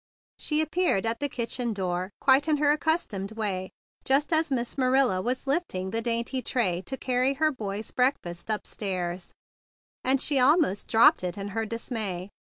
She appeared at the kitchen door quite in her accustomed way just as Miss Marilla was lifting the dainty tray to carry her boy's break¬ fast up stairs, and she ahnost dropped it in her dismay.